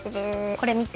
これみて。